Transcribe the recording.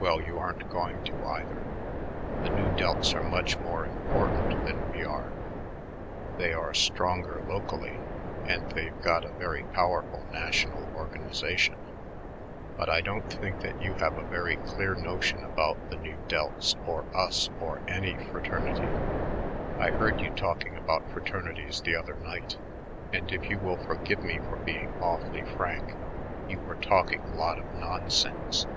"Well, you aren't going to, either. The Nu Delts are much more important than we are. They are stronger locally, and they've got a very powerful national organization. But I don't think that you have a very clear notion about the Nu Delts or us or any other fraternity. I heard you talking about fraternities the other night, and, if you will forgive me for being awfully frank, you were talking a lot of nonsense."